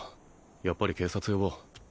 やっぱり警察呼ぼう